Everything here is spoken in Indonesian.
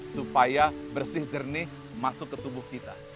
supaya bersih jernih masuk ke tubuh kita